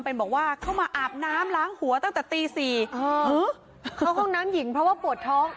เป็นบอกว่าเข้ามาอาบน้ำล้างหัวตั้งแต่ตี๔เข้าห้องน้ำหญิงเพราะว่าปวดท้อง